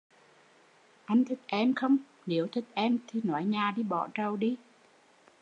Anh thích em không, nếu thích em thì nói nhà đi bỏ trầu đi